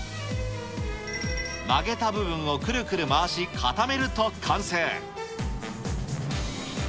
曲げた部分をくるくる回し固めると完成。